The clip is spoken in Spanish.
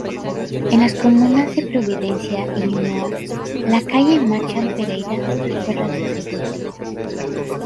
En las comunas de Providencia y Ñuñoa, la calle Marchant Pereira recuerda al sacerdote.